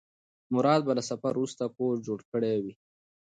مراد به له سفر وروسته کور جوړ کړی وي.